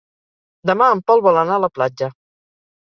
Demà en Pol vol anar a la platja.